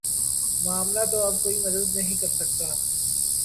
معاملہ تو اب کوئی مدد نہیں کر سکتا